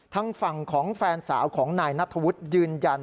ทางฝั่งของแฟนสาวของนายนัทธวุฒิยืนยัน